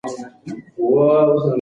ورځنی حساب د هوښیار سوداګر نښه ده.